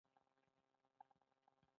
په افغانستان کې د ځمکنی شکل تاریخ اوږد دی.